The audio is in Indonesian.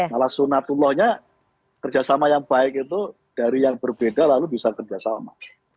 malah sunatullahnya kerjasama yang baik itu dari yang berbeda lalu bisa kerjasama